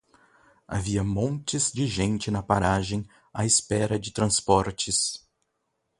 Havia montes de gente na paragem à espera de transportes.